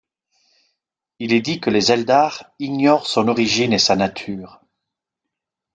Il est dit que les Eldar ignorent son origine et sa nature.